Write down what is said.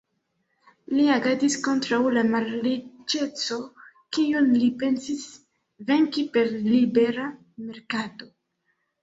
Li agadis kontraŭ la malriĉeco, kiun li pensis venki per libera merkato.